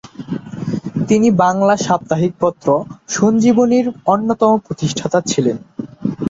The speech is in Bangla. তিনি বাংলা সাপ্তাহিক পত্র "সঞ্জীবনী"-র অন্যতম প্রতিষ্ঠাতা ছিলেন।